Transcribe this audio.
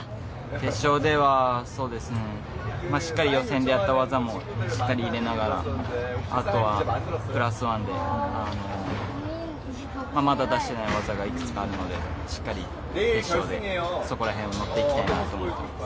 決勝では予選でやった技もしっかり入れながら、あとはプラスワンで、まだ出してない技がいくつかあるのでしっかり決勝でそこら辺を乗っていきたいなと思います。